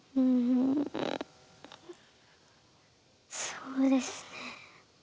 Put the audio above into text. そうですね。